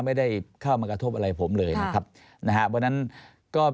ไม่ได้เข้ามากระทบอะไรผมเลยนะครับวันนั้นก็